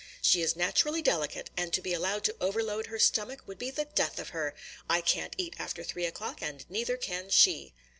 She is naturally delicate, and to be allowed to overload her stomach would be the death of her. I can't eat after three o'clock, and neither can she."